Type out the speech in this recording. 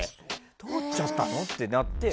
通っちゃったの？ってなって。